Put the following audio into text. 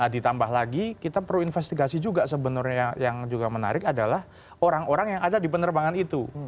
ditambah lagi kita perlu investigasi juga sebenarnya yang juga menarik adalah orang orang yang ada di penerbangan itu